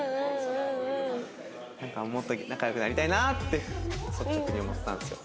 なんかもっと仲良くなりたいなって率直に思ったんですよ。